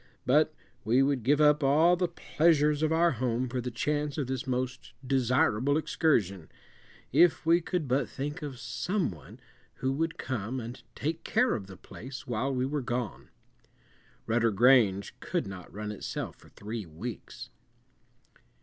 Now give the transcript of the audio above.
But we would give up all the pleasures of our home for the chance of this most desirable excursion, if we could but think of some one who would come and take care of the place while we were gone. Rudder Grange could not run itself for three weeks.